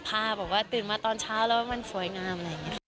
แต่ว่าตื่นมาตอนเช้าแล้วมันฝวยงาม